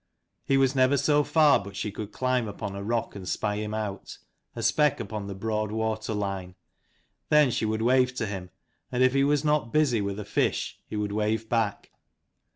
He was never so far but she could climb upon a rock and spy him out, a speck upon the broad water line. Then she would wave to him, and if he was not busy with a fish he would wave back.